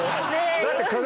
だって鏡。